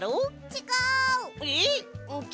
ちがうの？